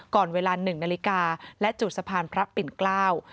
ก่อนเวลาหนึ่งนาฬิกาและจุดสะพานพระปิ่นเกล้า